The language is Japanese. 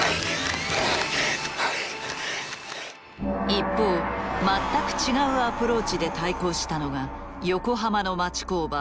一方全く違うアプローチで対抗したのが横浜の町工場